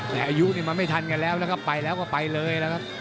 แต่อายุนี่มันไม่ทันกันแล้วแล้วก็ไปแล้วก็ไปเลย